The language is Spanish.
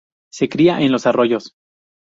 Se cría en los arroyos.